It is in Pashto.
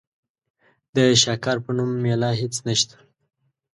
د شاکار په نوم مېله هېڅ نشته.